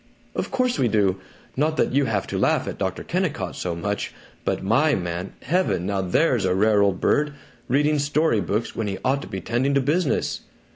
"Of course we do. Not that you have to laugh at Dr. Kennicott so much, but MY man, heavens, now there's a rare old bird! Reading story books when he ought to be tending to business!